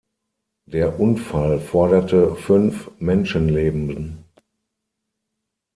Der Unfall forderte fünf Menschenleben.